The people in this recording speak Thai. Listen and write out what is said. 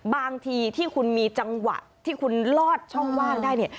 บางทีที่คุณมีจังหวะที่คุณลอดช่องว่างได้เนี่ย